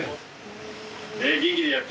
元気でやってるの？